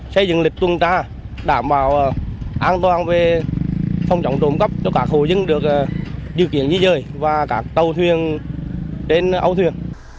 khảo sát các địa điểm tránh trú bão an toàn sắp xếp bố trí lương thực thực phẩm thuốc men